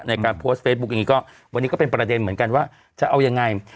ในการโพสต์เฟซบุ๊กอย่างนี้ก็วันนี้ก็เป็นประเด็นเหมือนกันว่าจะเอายังไง